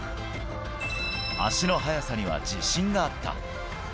足の速さには自信があった。